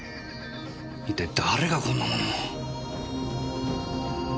一体誰がこんなものを。